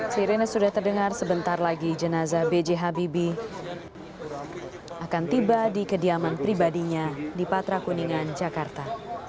sirine sudah terdengar sebentar lagi jenazah b j habibie akan tiba di kediaman pribadinya di patra kuningan jakarta